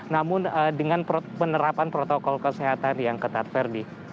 namun dengan penerapan protokol kesehatan yang ketat verdi